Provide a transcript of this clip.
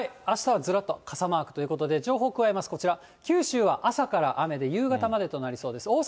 あしたはずらっと傘マークということで、情報加えます、こちら、九州は朝から雨で、夕方までとなりそうです。